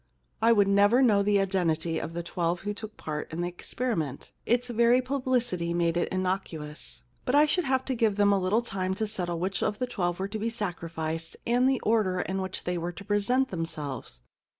I v/ould never know the identity of the twelve who took part in the experiment. Its very publicity made it innocuous. But I should have to give them a little time to settle which were the twelve to be sacrificed and the order in which they were to present themselves.